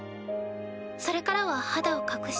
それからは肌を隠して。